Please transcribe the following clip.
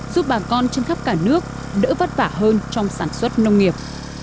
giúp bà con trên khắp cả nước đỡ vất vả hơn trong sản xuất nông nghiệp